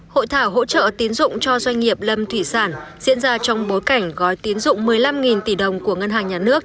hội thảo hỗ trợ tiến dụng cho doanh nghiệp lâm thủy sản diễn ra trong bối cảnh gói tín dụng một mươi năm tỷ đồng của ngân hàng nhà nước